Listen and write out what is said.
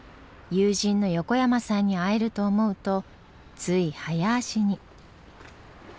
友人の横山さんに会えると思うとつい早足に。